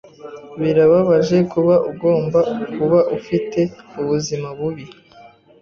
Birababaje kuba agomba kuba afite ubuzima bubi.